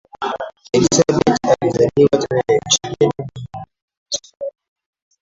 elizabeth alizaliwa tarehe ishirini na moja mwezi wa nne